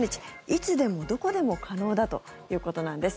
いつでもどこでも可能だということなんです。